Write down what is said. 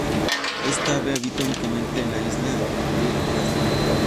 Esta ave habita únicamente en la isla de Praslin.